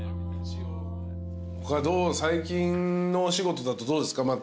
他最近のお仕事だとどうですか？